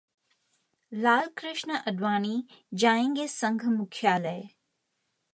लालकृष्ण आडवाणी जायेंगे संघ मुख्यालय